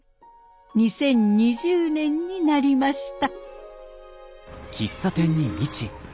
２０２０年になりました。